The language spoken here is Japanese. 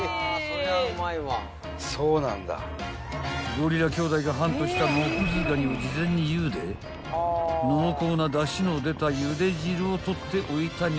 ［ゴリラ兄弟がハントしたモクズガニを事前にゆで濃厚なだしの出たゆで汁を取っておいたのよ］